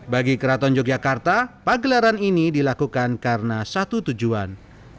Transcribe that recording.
bagi keraton yogyakarta pagelaran ini dilakukan karena satu tujuan